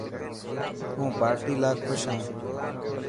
هون پارٽي لاءِ خوش هان.